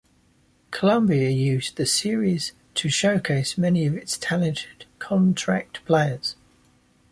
Columbia used the series to showcase many of its talented contract players.